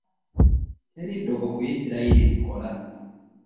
Teri ddogo ku Yisirayiri likola.